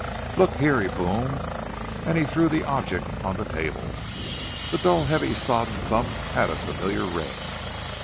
"Look there!" he boomed, and he threw the object on the table. The dull, heavy, sodden thump had a familiar ring.